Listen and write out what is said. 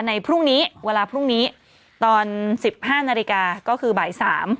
ในพรุ่งนี้เวลาพรุ่งนี้ตอน๑๕นาฬิกาก็คือบ่าย๓